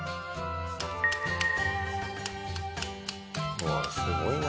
うわっすごいな。